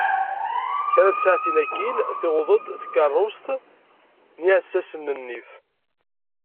Kra n tsaɛtin akin, tiweḍ-d tkarrust n yiɛessassen n nnif.